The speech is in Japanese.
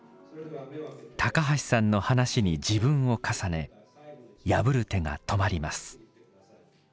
橋さんの話に自分を重ね破る手が止まります。